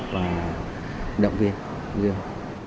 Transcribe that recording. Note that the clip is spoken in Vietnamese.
và động viên dương